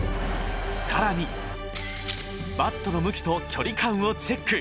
更にバットの向きと距離感をチェック。